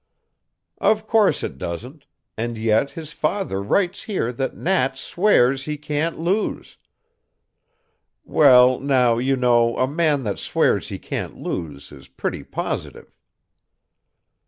"Of course it doesn't, and yet his father writes here that Nat 'swears he can't lose.' Well, now, you know, a man that swears he can't lose is pretty positive."